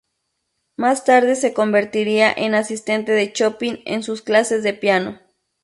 Más tarde se convertiría en asistente de Chopin en sus clases de piano.